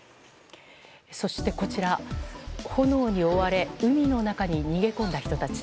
そして、こちら炎に覆われ海の中に逃げ込んだ人たち。